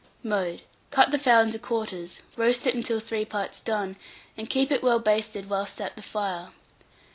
Mode. Cut the fowl into quarters, roast it until three parts done, and keep it well basted whilst at the fire.